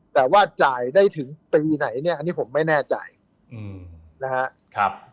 แต่ว่าจ่ายได้ถึงปีไหนเนี่ยอันนี้ผมไม่แน่ใจนะครับ